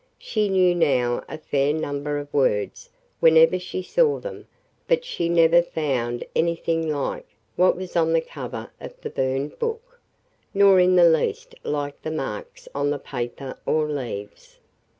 She knew now a fair number of words whenever she saw them but she never found anything like what was on the cover of the burned book, nor in the least like the marks on the paper or leaves.